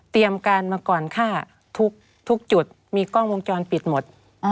การมาก่อนค่ะทุกจุดมีกล้องวงจรปิดหมด